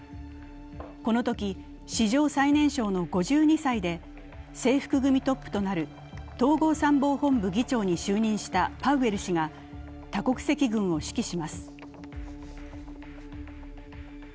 このとき、史上最年少の５２歳で制服組トップとなる統合参謀本部議長に就任したパウエル氏が多国籍軍を指揮します。